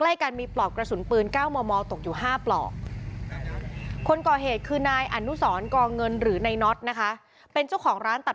หลอกคนก่อเหตุคือนายอนุสรกองเงินหรือในน็อตนะคะเป็นเจ้าของร้านตัด